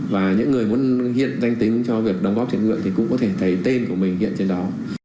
và những người muốn hiện danh tính cho việc đóng góp thiện nguyện thì cũng có thể thấy tên của mình hiện trên đó